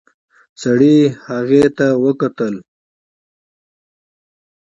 سړي هغې ته وکتل.